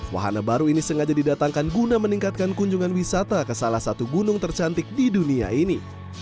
wahana baru ini sengaja didatangkan guna meningkatkan kunjungan wisata ke salah satu gunung tercantik di dunia ini